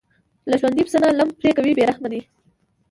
له ژوندي پسه نه لم پرې کوي بې رحمه دي.